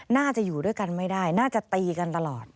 น่าจะอยู่ด้วยกันไม่ได้น่าจะตีกันตลอด